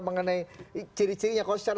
mengenai ciri cirinya kalau secara